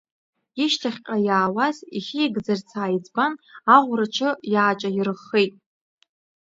Ишьҭахьҟа иаауаз ихьигӡарц ааиӡбан, аӷәра аҽы иааҿаирххеит.